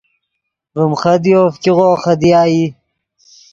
ڤیم خدیو فګیغو خدیا ای